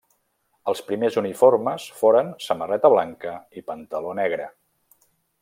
Els primers uniformes foren samarreta blanca i pantaló negre.